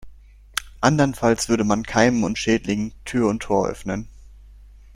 Andernfalls würde man Keimen und Schädlingen Tür und Tor öffnen.